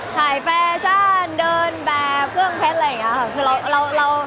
แฟชั่นเดินแบบเครื่องเพชรอะไรอย่างนี้ค่ะ